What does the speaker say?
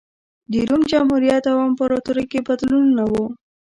د روم جمهوریت او امپراتورۍ کې بدلونونه و